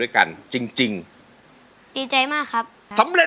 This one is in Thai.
ยังไม่มีให้รักยังไม่มี